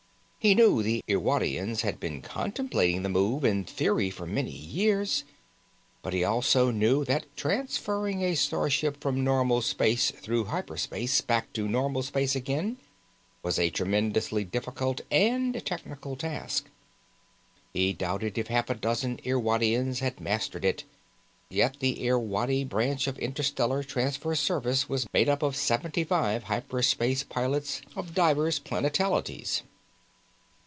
He knew the Irwadians had been contemplating the move in theory for many years, but he also knew that transferring a starship from normal space through hyper space back to normal space again was a tremendously difficult and technical task. He doubted if half a dozen Irwadians had mastered it, yet the Irwadi branch of Interstellar Transfer Service was made up of seventy five hyper space pilots of divers planetalities.